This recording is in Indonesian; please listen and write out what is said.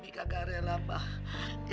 umi gak gak rela mbak